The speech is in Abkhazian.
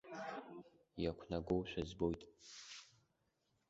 Иақәнагоушәа збоит.